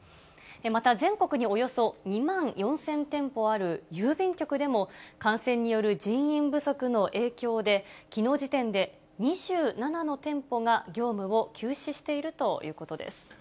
また、全国におよそ２万４０００店舗ある郵便局でも、感染による人員不足の影響で、きのう時点で、２７の店舗が業務を休止しているということです。